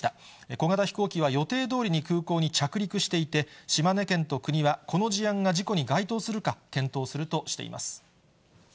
小型飛行機は予定どおりに空港に着陸していて、島根県と国は、この事案が事故に該当するか、検討するとしています。